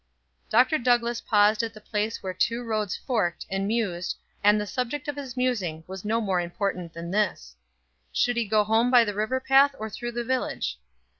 Dr. Douglass paused at the place where two roads forked and mused, and the subject of his musing was no more important than this: Should he go home by the river path or through the village?